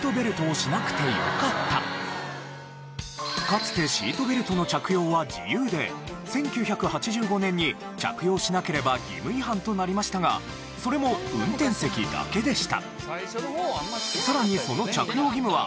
かつてシートベルトの着用は自由で１９８５年に着用しなければ義務違反となりましたがそれも運転席だけでした。